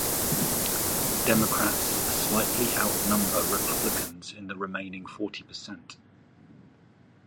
Democrats slightly outnumber Republicans in the remaining forty percent.